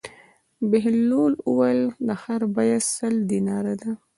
بهلول وویل: د خر بېه سل دیناره ده.